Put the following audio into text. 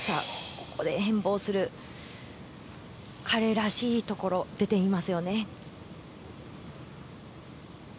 ここで演武をする彼らしいところ出ていますよね。